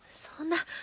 そんな。